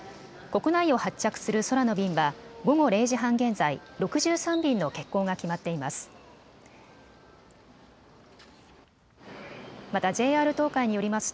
国内を発着する空の便は午後０時半現在、６３便の欠航が決まっています。